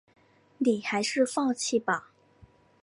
你还是放弃吧